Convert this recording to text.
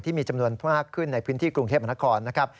ที่มีจำนวนมากขึ้นในพื้นที่กรุงเทพมนตร์กร